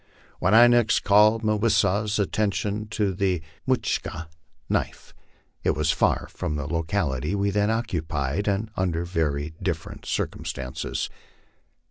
When I next called Mah wis sa's attention to the mutch ka, (knife), it was far from the locality we then occupied, and under very different circumstances.